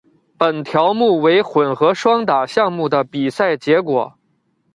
本条目为混合双打项目的比赛结果。